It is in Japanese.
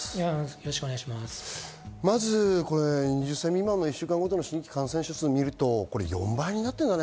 まず２０歳未満の１週間ごとの新規感染者数を見ると４倍になってるんだね。